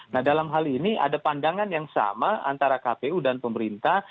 nah dalam hal ini ada pandangan yang sama antara kpu dan pemerintah